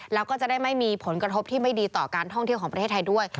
แล้วก็จะได้ไม่มีผลกระทบที่ไม่ดีต่อการท่องเที่ยวของประเทศไทยด้วย